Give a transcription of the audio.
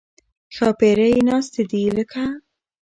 ښاپېرۍ ناستې دي لکه